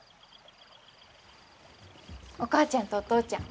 お母ちゃんとお父ちゃん